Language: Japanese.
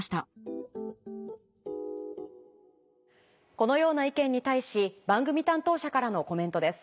このような意見に対し番組担当者からのコメントです。